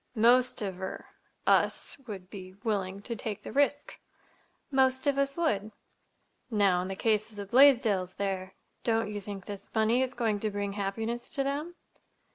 "Most of—er—us would be willing to take the risk." "Most of us would." "Now, in the case of the Blaisdells here—don't you think this money is going to bring happiness to them?"